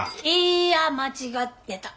いいや間違ってた。